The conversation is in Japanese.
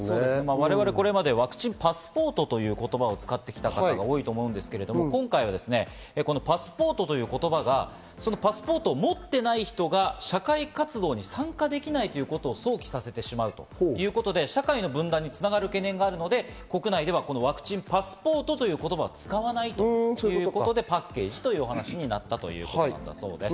我々これまでワクチンパスポートという言葉を使ってきたことが多いと思うんですが、今回パスポートという言葉がパスポートを持っていない人が社会活動に参加できないということを想起させてしまうということで、社会の分断に繋がる懸念があるのでワクチンパスポートという言葉は使わないということでパッケージということになったそうです。